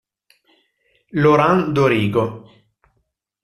Laurent Dorigo